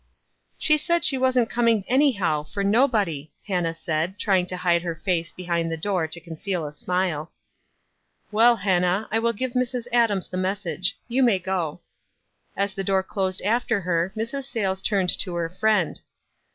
" She said she wasn't coming anyhow, for no body," Hannah said, trying to hide her face be hind the door to conceal a smile. "Well, Hannah, I will give Mrs. Adams the WISE AND OTHERWISE?^ You may go." As the door closed after her, Mrs. Sayles turned to her friend.